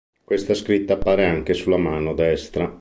Questa scritta appare anche sulla mano destra.